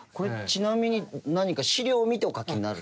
これちなみに何か資料を見てお描きになる？